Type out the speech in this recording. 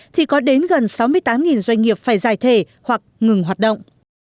thì có đến gần sáu mươi tám doanh nghiệp phải giải thể hoặc ngừng hoạt động